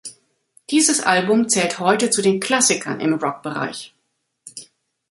Dieses Album zählt heute zu den Klassikern im Rock-Bereich.